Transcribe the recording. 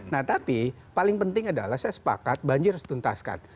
nah tapi paling penting adalah saya sepakat banjir harus dituntaskan